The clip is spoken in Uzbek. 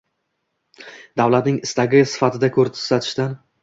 Davlatning istagi sifatida ko‘rsatishdan